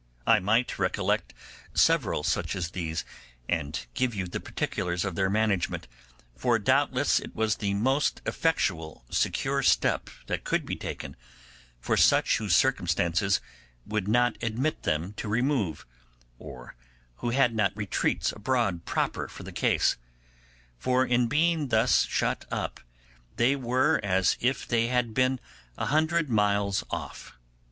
I might recollect several such as these, and give you the particulars of their management; for doubtless it was the most effectual secure step that could be taken for such whose circumstances would not admit them to remove, or who had not retreats abroad proper for the case; for in being thus shut up they were as if they had been a hundred miles off.